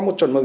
một chuẩn mực